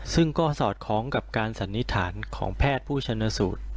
ซึ่งก็สอดคล้องกับการสันนิษฐานของแพทย์ผู้ชนสูตร